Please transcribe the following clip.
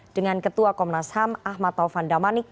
dengan ketua komnas ham ahmad taufan damanik